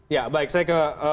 ya baik saya ke